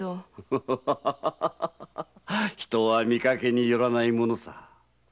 人は見かけによらないものさ。